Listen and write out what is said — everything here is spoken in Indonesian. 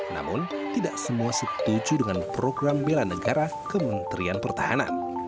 namun tidak semua setuju dengan program bela negara kementerian pertahanan